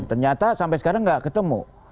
ternyata sampai sekarang nggak ketemu